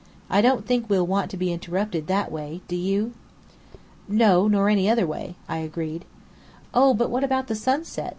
I don't think we'll want to be interrupted that way, do you?" "No, nor any other way," I agreed. "Oh, but what about the sunset?